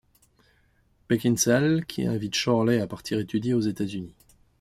Beckinsale, qui invite Chorley à partir étudier aux États-Unis.